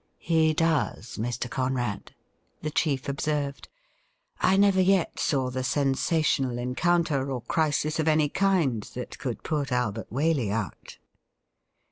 ' He does, Mr. Conrad,' the chief observed. ' I never yet saw the sensational encounter or crisis of any kind that could put Albert Waley out.'